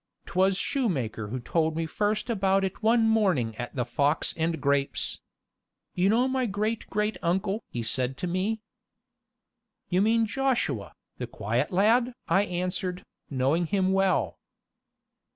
'T was shoemaker who told me first about it one morning at the Fox and Grapes. "You know my great great uncle?" he said to me. "You mean Joshua, the quiet lad?" I answered, knowing him well.